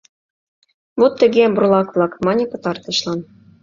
— Вот тыге, бурлак-влак, — мане пытартышлан.